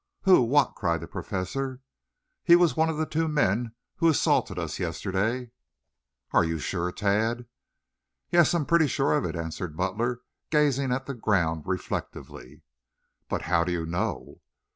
"Who what?" cried the Professor. "He was one of the two men who assaulted us yesterday." "Are you sure, Tad?" "Yes, I'm pretty sure of it," answered Butler, gazing at the ground reflectively. "But how do you know?"